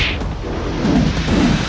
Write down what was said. aku akan menang